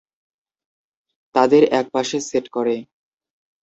তাদের একপাশে সেট করে।